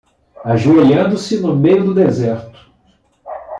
Ajoelhando-se no meio do deserto